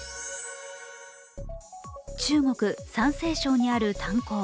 中国山西省にある炭鉱。